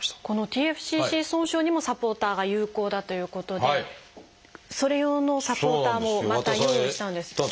このＴＦＣＣ損傷にもサポーターが有効だということでそれ用のサポーターもまた用意したんです。